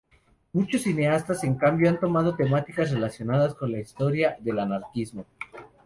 Muchos cineastas, en cambio, han tomado temáticas relacionadas con la historia del anarquismo.